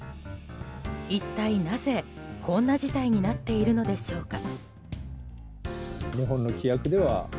一体なぜ、こんな事態になっているのでしょうか。